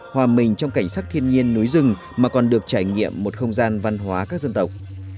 hòa mình trong cảnh sắc thiên nhiên núi rừng mà còn được trải nghiệm một không gian văn hóa các dân tộc